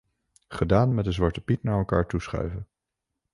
Gedaan met de zwartepiet naar elkaar toe te schuiven.